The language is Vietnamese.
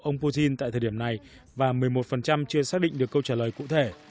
ông putin tại thời điểm này và một mươi một chưa xác định được câu trả lời cụ thể